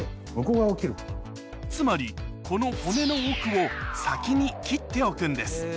つまりこの骨の奥を先に切っておくんです